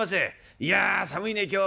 「いや寒いね今日は」。